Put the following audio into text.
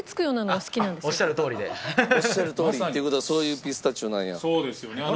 おっしゃるとおりっていう事はそういうピスタチオなんや。